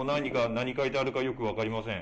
何書いてあるかよく分かりません。